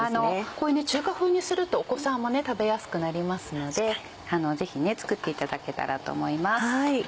こういう中華風にするとお子さんも食べやすくなりますのでぜひ作っていただけたらと思います。